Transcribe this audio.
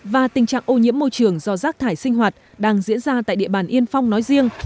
và tình trạng ô nhiễm môi trường do rác thải sinh hoạt đang diễn ra tại địa bàn yên phong nói riêng